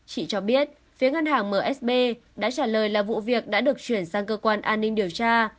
chị cho biết phía ngân hàng msb đã trả lời là vụ việc đã được chuyển sang cơ quan an ninh điều tra